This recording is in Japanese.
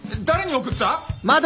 誰に送った？